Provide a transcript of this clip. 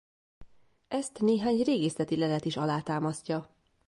Ezt néhány régészeti lelet is alátámasztja.